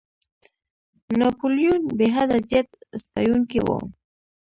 ناپولیون بېحده زیات ستایونکی وو.